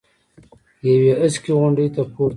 یوې هسکې غونډۍ ته پورته شي.